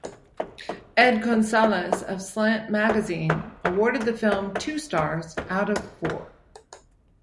Ed Gonzalez of "Slant Magazine" awarded the film two stars out of four.